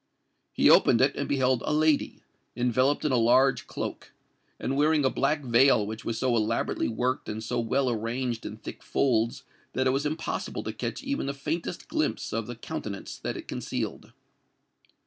He opened it and beheld a lady, enveloped in a large cloak, and wearing a black veil which was so elaborately worked and so well arranged in thick folds that it was impossible to catch even the faintest glimpse of the countenance that it concealed.